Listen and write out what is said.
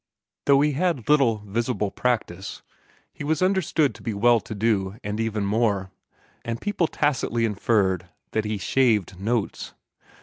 Though he had little visible practice, he was understood to be well to do and even more, and people tacitly inferred that he "shaved notes."